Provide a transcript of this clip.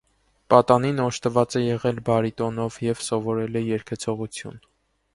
Պատանին օժտված է եղել բարիտոնով և սովորել է երգեցողություն։